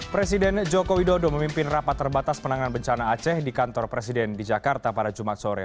presiden joko widodo memimpin rapat terbatas penanganan bencana aceh di kantor presiden di jakarta pada jumat sore